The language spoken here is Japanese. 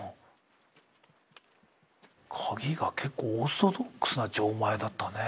鍵が結構オーソドックスな錠前だったね。